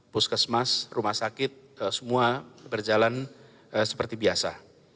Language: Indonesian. puskesmas rumah sakit semua berjalan seperti biasa